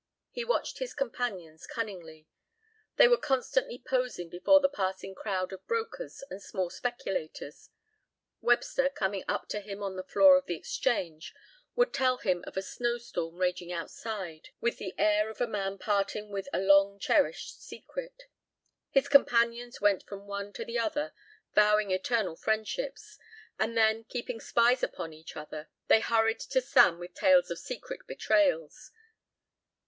He watched his companions cunningly. They were constantly posing before the passing crowd of brokers and small speculators. Webster, coming up to him on the floor of the exchange, would tell him of a snowstorm raging outside with the air of a man parting with a long cherished secret. His companions went from one to the other vowing eternal friendships, and then, keeping spies upon each other, they hurried to Sam with tales of secret betrayals.